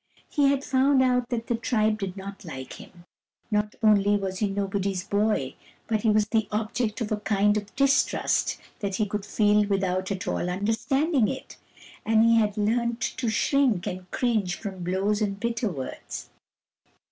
He had found out that the tribe did not like him. Not only was he nobody's boy, but he was the object of a kind of distrust that he could feel without at all understanding it ; and he had learnt to shrink and cringe from blows and bitter words.